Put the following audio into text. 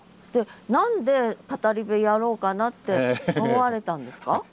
何で語り部やろうかなって思われたんですか？